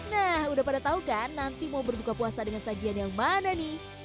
nah udah pada tau kan nanti mau berbuka puasa dengan sajian yang mana nih